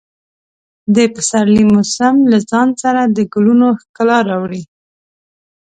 د پسرلي موسم له ځان سره د ګلونو ښکلا راوړي.